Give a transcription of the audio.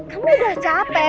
kamu udah capek